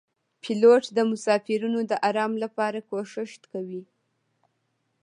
پیلوټ د مسافرینو د آرام لپاره کوښښ کوي.